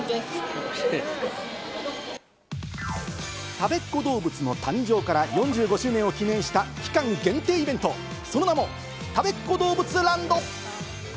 たべっ子どうぶつの誕生から４５周年を記念した期間限定イベント、その名も、たべっ子どうぶつＬＡＮＤ。